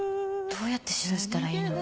どうやって信じたらいいの？